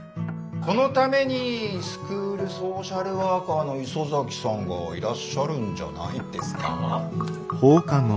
そのためにスクールソーシャルワーカーの磯崎さんがいらっしゃるんじゃないですか？